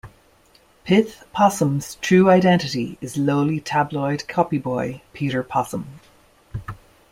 Pith Possum's true identity is lowly tabloid copyboy Peter Possum.